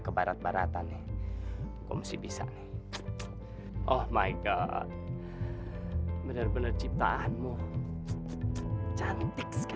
kebarat baratan nih aku mesti bisa nih oh my god bener bener ciptaanmu cantik sekali